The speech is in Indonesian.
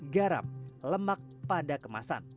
garam lemak pada kemasan